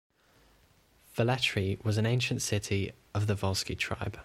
Velletri was an ancient city of the Volsci tribe.